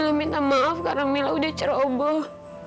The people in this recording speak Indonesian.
kamu minta maaf karena kamila sudah ceroboh